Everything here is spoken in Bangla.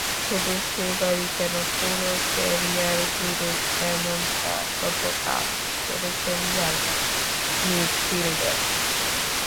শুধু সেবারই কেন, পুরো ক্যারিয়ারজুড়েই এমন দাতব্য কাজ করেছেন জার্মান মিডফিল্ডার।